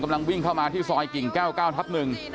กำลังวิ่งเข้ามาที่ซอยกิ่งแก้ว๙ทับ๑